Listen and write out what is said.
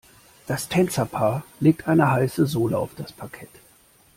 Das Tänzerpaar legt eine heiße Sohle auf das Parkett.